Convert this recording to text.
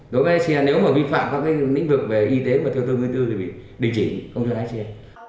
đối với lái xe nếu mà vi phạm các lĩnh vực về y tế và theo tư thì bị đình chỉ không cho lái xe